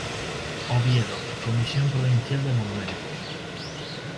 Oviedo: Comisión Provincial de Monumentos.